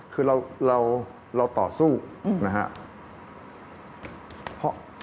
คือเราต่อสู้นะครับ